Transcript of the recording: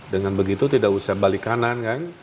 dengan begitu tidak usah balik kanan kan